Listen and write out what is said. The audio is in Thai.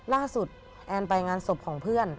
ล่าสุดแอนไปงานศพของเพื่อน